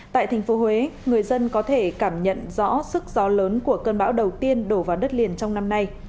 tại thành phố huế người dân có thể cảm nhận rõ sức gió lớn của cơn bão đầu tiên đổ vào đất liền trong năm nay